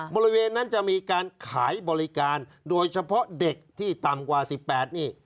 บริเวณนั้นจะมีการขายบริการโดยเฉพาะเด็กที่ต่ำกว่า๑๘นี่